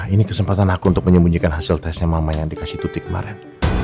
ini kesempatan aku untuk menyembunyikan hasil tesnya mama yang dikasih tutik kemarin